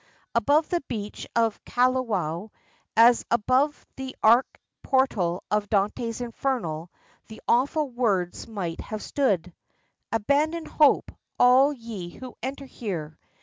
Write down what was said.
Above the beach of Kalawao, as above the arched portal of Dante's Inferno, the awful words might have stood, "Abandon hope, all ye who enter here."